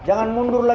jangan mundur lagi